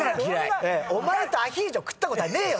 お前とアヒージョ食ったことはねえよ！